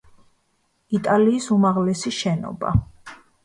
იტალიის უმაღლესი შენობა.